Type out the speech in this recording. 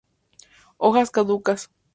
Hojas caducas.